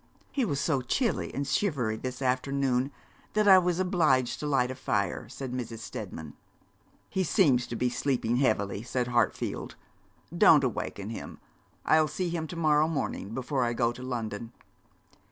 'He was so chilly and shivery this afternoon that I was obliged to light a fire,' said Mrs. Steadman. 'He seems to be sleeping heavily,' said Hartfield. 'Don't awaken him. I'll see him to morrow morning before I go to London.'